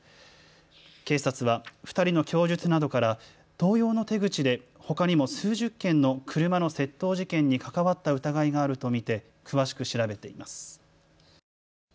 警察は２人の供述などから同様の手口でほかにも数十件の車の窃盗事件に関わった疑いがあると見て詳しく調べています。